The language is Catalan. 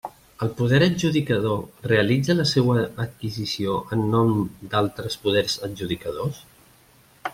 El poder adjudicador realitza la seua adquisició en nom d'altres poders adjudicadors?